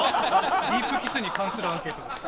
ディープキスに関するアンケートです